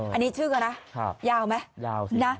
อันนี้ชื่อก็นะยาวไหม